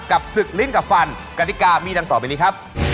กับสึกลิ้นกับฟันกติกามีตั้งตอบเป็นนี้ครับ